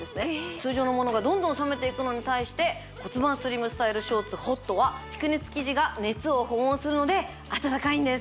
通常のものがどんどん冷めていくのに対して骨盤スリムショーツＨＯＴは蓄熱生地が熱を保温するので暖かいんです